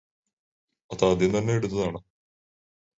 അതാദ്യം തന്നെ എടുത്തതാണ്